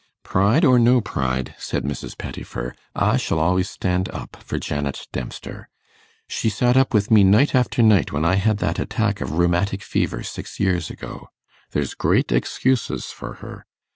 'Pride or no pride,' said Mrs. Pettifer, 'I shall always stand up for Janet Dempster. She sat up with me night after night when I had that attack of rheumatic fever six years ago. There's great excuses for her.